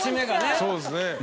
そうですね。